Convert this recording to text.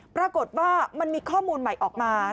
ปรากฏว่ามันมีข้อมูลใหม่ออกมา